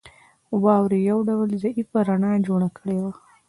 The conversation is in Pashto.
واورې یو ډول ضعیفه رڼا جوړه کړې وه